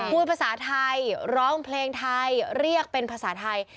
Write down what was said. พูดภาษาไทยร้องเพลงไทยเรียกเป็นภาษาไทย